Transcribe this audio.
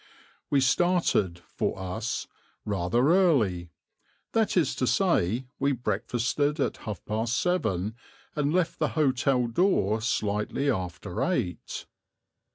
We started, for us, rather early; that is to say we breakfasted at half past seven and left the hotel door slightly after eight.